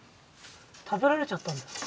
食べられちゃったんですか？